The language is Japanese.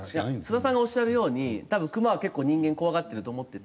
須田さんがおっしゃるように多分クマは結構人間怖がってると思ってて。